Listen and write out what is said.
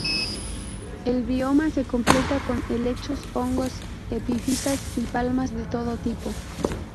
El bioma se completa con helechos, hongos, epifitas y palmas de todo tipo.